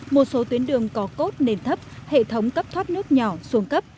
một số tuyến đường có cốt nền thấp hệ thống cấp thoát nước nhỏ xuống cấp